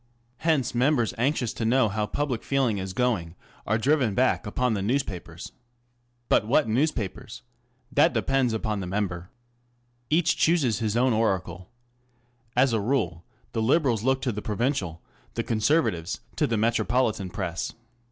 Hence members anxious to know how public feeling is going are driven back upon the newspapers. But what newspapers ? That depends upon the member. Each chooses his own oracle. As a rule, the Liberals look to the provincial, the Conservatives to the metropolitan Press.